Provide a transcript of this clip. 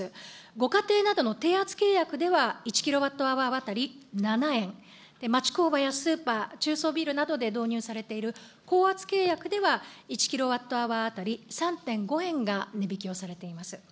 ご家庭などの低圧契約では、１キロワットアワー当たり７円、町工場やスーパー、中小ビルなどで導入されている高圧契約では１キロワットアワー当たり３．５円が値引きをされています。